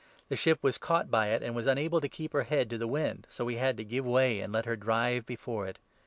The ship was caught by it 15 and was unable to keep her head to the wind, so we had to give way and let her drive before it.